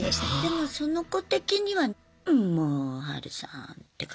でもその子的には「んもうハルさん」って感じで済んだかな？